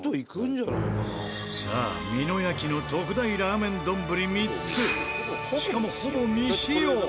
さあ美濃焼の特大ラーメン丼３つしかもほぼ未使用！